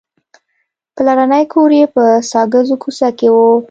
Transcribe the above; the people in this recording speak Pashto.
پلرنی کور یې په ساګزو کوڅه کې و.